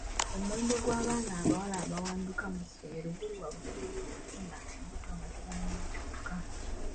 Omuwendo gw'abaana abawala abawanduka mu ssomero guli waggulu olw'okufuna embuto nga tebanneetuuka.